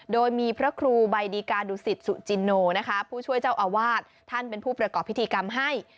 โดยมีพระครูใบดีกาดุสิตสุจินโนนะคะผู้ช่วยเจ้าอาวาสท่านเป็นผู้ประกอบพิธีกรรมให้